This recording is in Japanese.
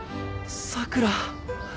桜。